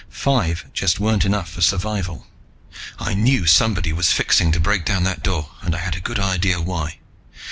Five just weren't enough for survival. I knew somebody was fixing to break down that door, and I had a good idea why.